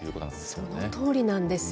そのとおりなんですよ。